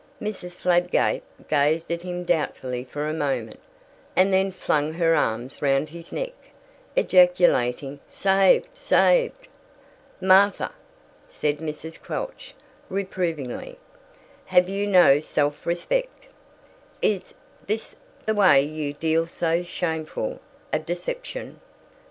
Mrs. Fladgate gazed at him doubtfully for a moment, and then flung her arms round his neck, ejaculating, "Saved, saved!" "Martha," said Mrs. Quelch, reprovingly, "have you no self respect? Is this the way you deal to so shameful a deception?"